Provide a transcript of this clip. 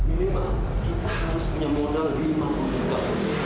ini memang kita harus punya modal lebih dari lima puluh juta